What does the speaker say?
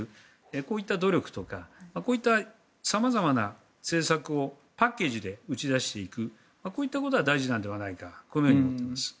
こういった努力とかこういった様々な政策をパッケージで打ち出していくこういったことは大事ではないかと思っています。